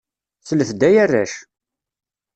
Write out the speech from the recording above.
Slet-d ay arrac!